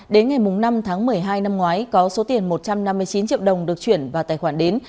đến ngày năm tháng một mươi hai năm ngoái có số tiền một trăm năm mươi chín triệu đồng được chuyển vào tài khoản đến